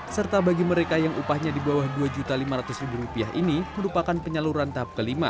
serta bagi mereka yang upahnya di bawah rp dua lima ratus ini merupakan penyaluran tahap kelima